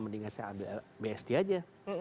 mendingan saya ambil bst aja